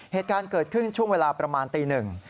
เหตุการณ์เกิดขึ้นช่วงเวลาประมาณตีหนึ่ง